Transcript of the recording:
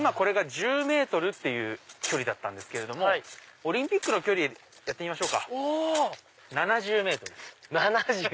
今１０ｍっていう距離だったんですけれどもオリンピックの距離やってみましょうか。